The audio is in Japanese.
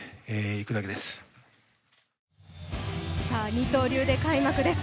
二刀流で開幕です。